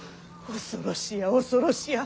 恐ろしや恐ろしや。